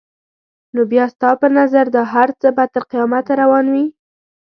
نو بیا ستا په نظر دا هر څه به تر قیامته روان وي؟